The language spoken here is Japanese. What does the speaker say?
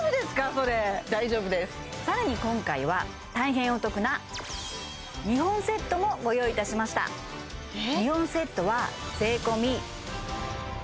それ大丈夫です更に今回は大変お得な２本セットもご用意いたしましたえ？